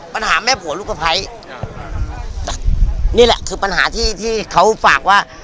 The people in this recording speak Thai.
ปัญหาแม่ผัวลูกภัยนี่แหละคือปัญหาที่ที่เขาฝากว่า